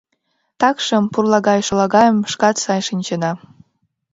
Такшым, пурлагай-шолагайым шкат сай шинчеда.